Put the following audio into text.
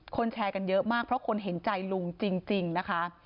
แชร์กันเยอะมากเพราะคนเห็นใจลุงจริงนะคะ